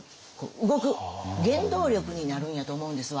動く原動力になるんやと思うんですわ。